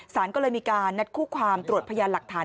สารก็เลยมีการนัดคู่ความตรวจพยานหลักฐาน